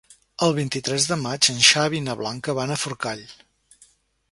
El vint-i-tres de maig en Xavi i na Blanca van a Forcall.